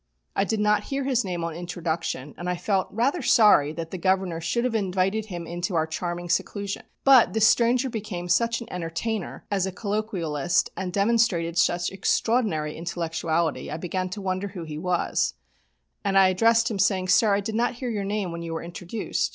I did not hear his name on introduction, and I felt rather sorry that the Governor should have invited him into our charming seclusion. But the stranger became such an entertainer as a colloquialist, and demonstrated such extraordinary intellectuality, I began to wonder who he was, and I addressed him, saying, "Sir, I did not hear your name when you were introduced."